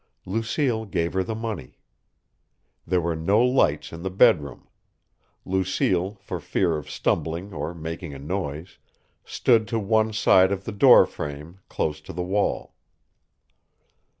Lucille gave her the money. There were no lights in the bedroom. Lucille, for fear of stumbling or making a noise, stood to one side of the door frame, close to the wall.